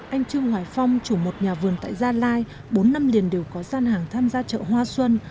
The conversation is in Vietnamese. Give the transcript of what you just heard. anh trương hoài phong chủ một nhà vườn tại gia lai bốn năm liền đều có gian hàng tham gia chợ hoa xuân